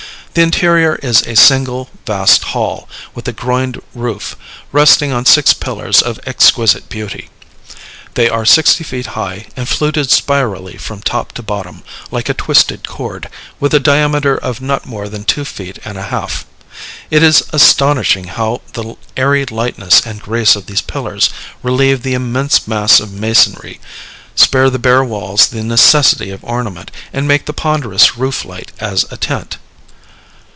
The interior is a single vast hall, with a groined roof, resting on six pillars of exquisite beauty. They are sixty feet high, and fluted spirally from top to bottom, like a twisted cord, with a diameter of not more than two feet and a half. It is astonishing how the airy lightness and grace of these pillars relieve the immense mass of masonry, spare the bare walls the necessity of ornament, and make the ponderous roof light as a tent.